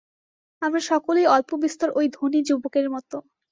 আমরা সকলেই অল্পবিস্তর ঐ ধনী যুবকের মত।